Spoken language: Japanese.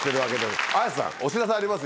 綾瀬さんお知らせありますよね。